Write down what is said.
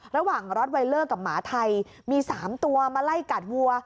ระหว่างร็อตไวเลอร์กับหมาไทยมี๓ตัวมาไล่กัดวัว